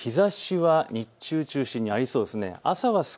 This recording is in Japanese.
日ざしは日中を中心にありそうです。